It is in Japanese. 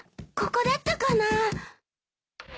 ここだったかな？